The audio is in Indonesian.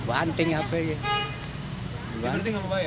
berarti gak mau bayar